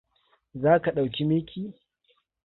Zaka ɗauki mickey?